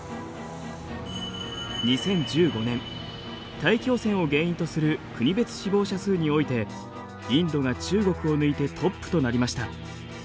大気汚染を原因とする国別死亡者数においてインドが中国を抜いてトップとなりました。